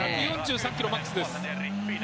１４３ｋｍマックスです。